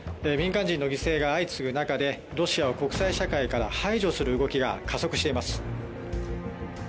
民間人の犠牲が相次ぐ中でロシアを国際社会から排除する動きが加速しています。